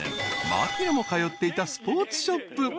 槙野も通っていたスポーツショップ］